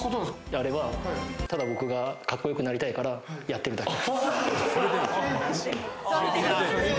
あれはただ僕がカッコよくなりたいからやってるだけ。